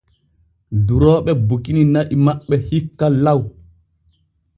Durooɓe bukini na'i maɓɓe hikka law.